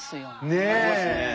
ねえ！ありますねえ。